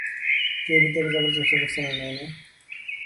কেউ ভিতরে যাবার চেষ্টা করছে না, নায়না।